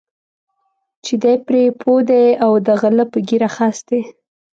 چې دی پرې پوه دی او د غله په ږیره خس دی.